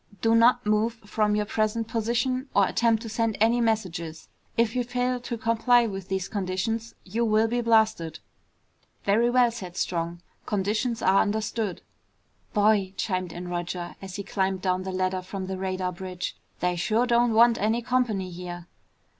Do not move from your present position or attempt to send any messages. If you fail to comply with these conditions you will be blasted!" "Very well," said Strong, "conditions are understood." "Boy," chimed in Roger, as he climbed down the ladder from the radar bridge, "they sure don't want any company here."